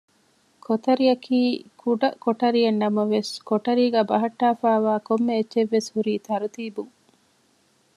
ކޮތަރިއަކީ ކުޑަ ކޮޓަރިއެއްނަމަވެސް ކޮޓަރީގައ ބަހައްޓާފައިވާ ކޮންމެ އެއްޗެއްވެސް ހުރީ ތަރުތީބުން